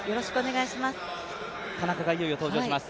田中がいよいよ登場します。